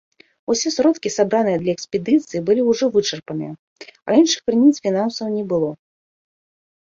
Усе сродкі, сабраныя для экспедыцыі, былі ўжо вычарпаныя, а іншых крыніц фінансаў не было.